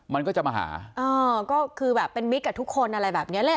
มันก็จะมาหาเออก็คือแบบเป็นมิตรกับทุกคนอะไรแบบเนี้ยแหละ